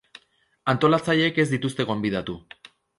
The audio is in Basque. Antolatzaileek ez dituzte gonbidatu.